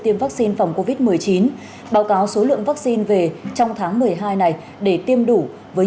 tiêm vaccine phòng covid một mươi chín báo cáo số lượng vaccine về trong tháng một mươi hai này để tiêm đủ với